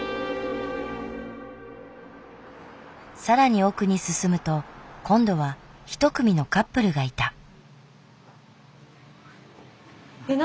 更に奥に進むと今度は一組のカップルがいた。